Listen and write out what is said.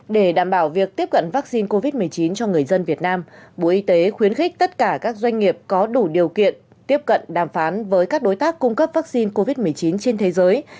để đảm bảo việc tiếp cận vaccine covid một mươi chín cho người dân việt nam bộ y tế khuyến khích tất cả các doanh nghiệp có đủ điều kiện tiếp cận đàm phán với các đối tác cung cấp vaccine covid một mươi chín trên thế giới